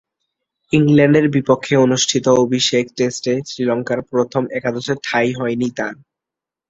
ইংল্যান্ডের বিপক্ষে অনুষ্ঠিত অভিষেক টেস্টে শ্রীলঙ্কার প্রথম একাদশে ঠাঁই হয়নি তার।